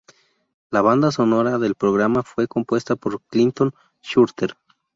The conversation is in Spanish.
La banda sonora del programa fue compuesta por Clinton Shorter.